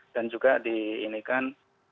dan juga diinginkan